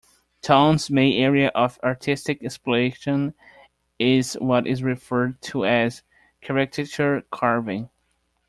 Tom's main area of artistic exploration is what is referred to as Cariacature Carving.